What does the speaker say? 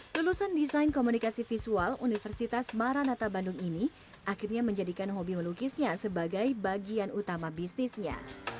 lulusan desain komunikasi visual universitas maranata bandung ini akhirnya menjadikan hobi melukisnya sebagai bagian utama bisnisnya